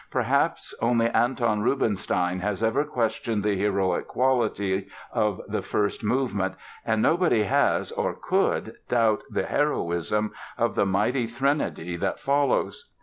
Perhaps only Anton Rubinstein has ever questioned the heroic quality of the first movement and nobody has or could doubt the heroism of the mighty threnody that follows.